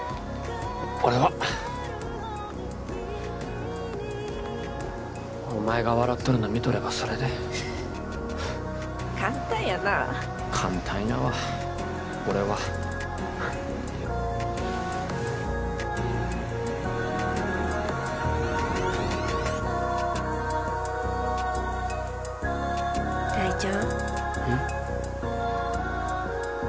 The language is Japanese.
俺はお前が笑っとるの見とればそれで簡単やな簡単やわ俺はフッ大ちゃんうん？